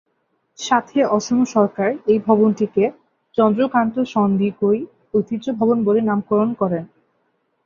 সাথে অসম সরকার এই ভবনটিকে চন্দ্রকান্ত সন্দিকৈ ঐতিহ্য ভবন বলে নামকরণ করেন।